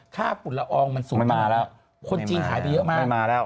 ค่าฝุ่นละอองมันสูงมากคนจีนขายไปเยอะมาก